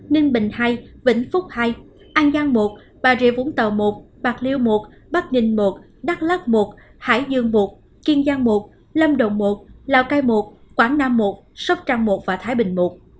ninh bình hai vĩnh phúc hai an giang một bà rịa vũng tàu một bạc liêu một bắc ninh một đắk lắc một hải dương một kiên giang một lâm đồng một lào cai một quảng nam một sóc trăng một và thái bình i